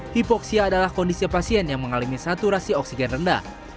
hipoksia adalah kondisi pasien yang mengalami saturasi oksigen rendah